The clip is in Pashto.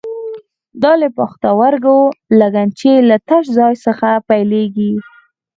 دا له پښتورګو د لګنچې له تش ځای څخه پیلېږي.